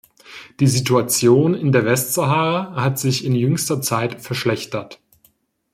Die Situation in der Westsahara hat sich in jüngster Zeit verschlechtert.